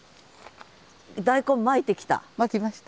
大根まいてきた？